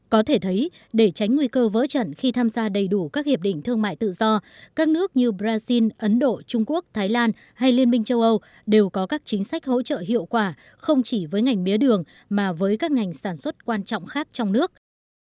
có thể thấy để tránh nguy cơ vỡ trận khi tham gia đầy đủ các hiệp định thương mại tự do các nước như brazil ấn độ trung quốc thái lan hay liên minh châu âu đều có các chính sách hỗ trợ hiệu quả không chỉ với ngành mía đường mà với các ngành sản xuất quan trọng khác trong nước